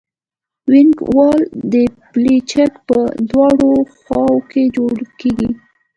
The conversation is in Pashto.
وینګ وال د پلچک په دواړو خواو کې جوړیږي